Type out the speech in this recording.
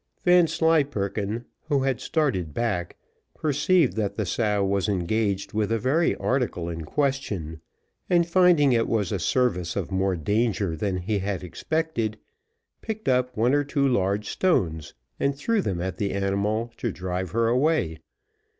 Vanslyperken, who had started back, perceived that the sow was engaged with the very article in question; and finding it was a service of more danger than he had expected, picked up one or two large stones, and threw them at the animal to drive her away.